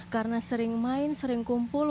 karena sering main sering kumpul